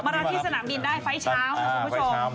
ไปรอที่สนามบินได้ไฟล์ชาวคุณผู้ชม